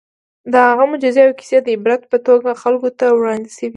د هغه معجزې او کیسې د عبرت په توګه خلکو ته وړاندې شوي.